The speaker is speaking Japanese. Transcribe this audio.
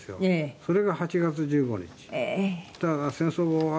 それが８月１５日。